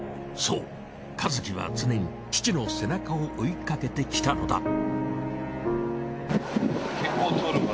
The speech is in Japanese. そう和喜は常に父の背中を追いかけてきたのだ。